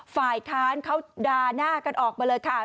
ฝ่ายค้านเขาด่าหน้ากันออกมาเลยค่ะ